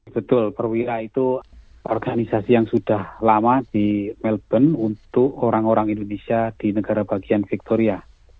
betul perwira itu organisasi yang sudah lama di melbourne untuk orang orang indonesia di negara bagian victoria